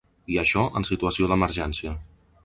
I això, en situació d’emergència!